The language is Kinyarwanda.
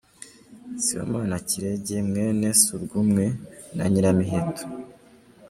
Sibomana Kirege mwene Subwumwe na Nyiramiheto.